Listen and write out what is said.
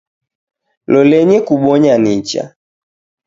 Lolenyi kubonya nicha